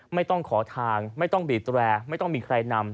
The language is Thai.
ไม่ต้องขอทางไม่ต้องบีดแรร์ไม่ต้องมีใครนำ